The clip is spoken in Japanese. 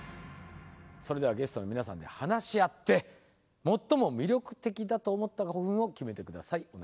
それではゲストの皆さんで話し合って最も魅力的だと思った古墳を決めてください。